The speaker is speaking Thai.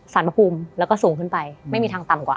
พระภูมิแล้วก็สูงขึ้นไปไม่มีทางต่ำกว่า